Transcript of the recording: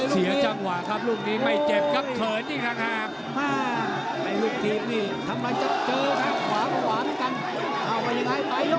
เสียจังหวะครับลูกนี้ไม่เจ็บครับเขินที่กระขาบ